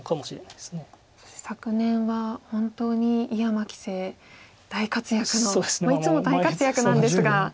そして昨年は本当に井山棋聖大活躍のいつも大活躍なんですが。